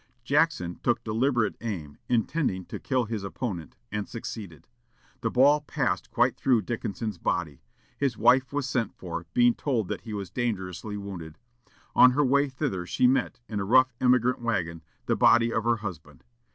Jackson took deliberate aim, intending to kill his opponent, and succeeded. The ball passed quite through Dickinson's body. His wife was sent for, being told that he was dangerously wounded. On her way thither she met, in a rough emigrant wagon, the body of her husband.